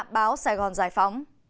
báo sài gòn giải phóng